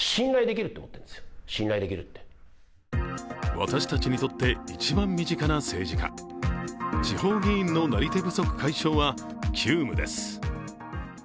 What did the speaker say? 私たちにとって一番身近な政治家、地方議員のなり手不足解消は急務です。